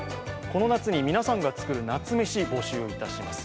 この夏に皆さんが作る夏メシ募集いたします。